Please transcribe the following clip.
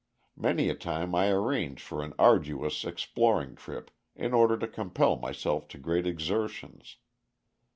Many a time I arrange for an arduous exploring trip in order to compel myself to great exertions.